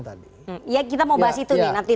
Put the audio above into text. tadi ya kita mau bahas itu nih nanti